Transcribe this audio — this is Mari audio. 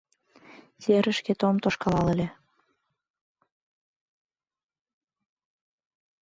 Серышкет ом тошкалал ыле.